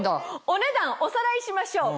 お値段おさらいしましょう。